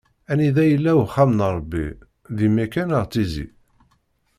Anida yella uxxam n Ṛebbi, di Mekka neɣ Tizi?